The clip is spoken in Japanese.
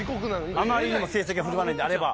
あまりにも成績が振るわないのであれば。